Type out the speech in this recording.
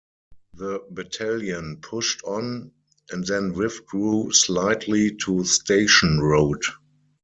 The battalion pushed on and then withdrew slightly to Station Road.